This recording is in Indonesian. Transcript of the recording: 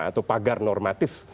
yang mempagar normatif